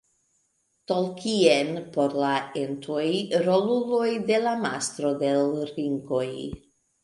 Tolkien por la Entoj, roluloj de La Mastro de l' ringoj.